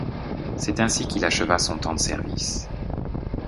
C’est ainsi qu’il acheva son temps de service.